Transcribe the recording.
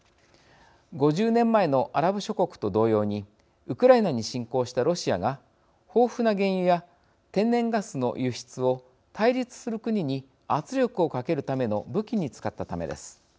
５０年前のアラブ諸国と同様にウクライナに侵攻したロシアが豊富な原油や天然ガスの輸出を対立する国に圧力をかけるための武器に使ったためです。